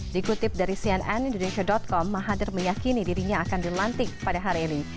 dikutip dari cnn indonesia com mahathir meyakini dirinya akan dilantik pada hari ini